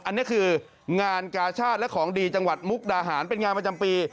อันนี้คืองานกาชาติและของดีจังหวัดมุกดาหารเป็นงานประจำปี